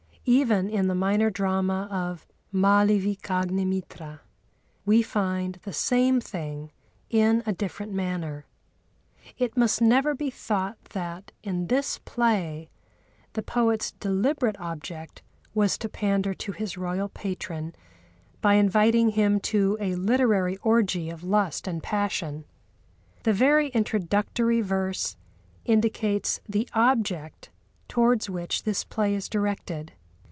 Even in the minor drama of Mâlavikâgnimitra we find the same thing in a different manner. It must never be thought that, in this play, the poet's deliberate object was to pander to his royal patron by inviting him to a literary orgy of lust and passion. The very introductory verse indicates the object towards which this play is directed.